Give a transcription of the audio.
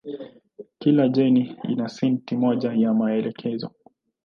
Kila jeni ina seti moja ya maelekezo.